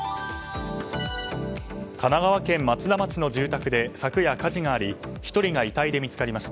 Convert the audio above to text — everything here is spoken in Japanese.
神奈川県松田町の住宅で昨夜、火事があり１人が遺体が見つかりました。